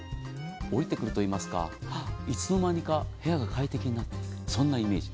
下りてくるといいますかいつの間にか部屋が快適になっているというイメージ。